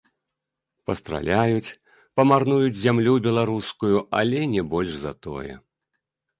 Пастраляюць, памарнуюць зямлю беларускую, але не больш за тое.